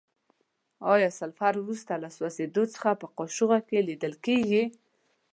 آیا سلفر وروسته له سوځیدو څخه په قاشوغه کې لیدل کیږي؟